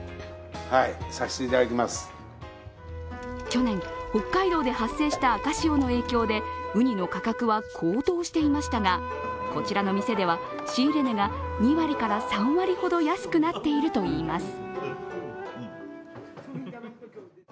去年北海道で発生した赤潮の影響でうにの価格は高騰していましたが、こちらの店では仕入れ値が２割から３割ほど安くなっているといいます